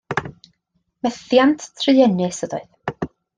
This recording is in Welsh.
Methiant truenus ydoedd.